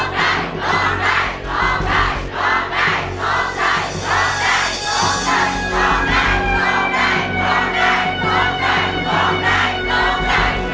ร้องได้หรือว่าร้องผิดครับ